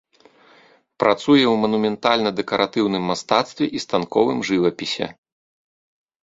Працуе ў манументальна-дэкаратыўным мастацтве і станковым жывапісе.